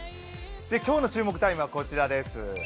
今日の注目タイムはこちらです。